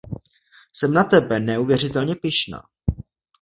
Jsem na tebe neuvěřitelně pyšná.